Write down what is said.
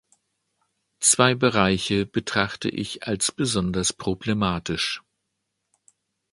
Zwei Bereiche betrachte ich als besonders problematisch.